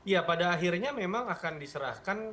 ya pada akhirnya memang akan diserahkan